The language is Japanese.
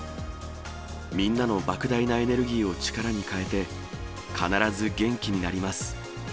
みんなのばく大なエネルギーを力に変えて、必ず元気になります。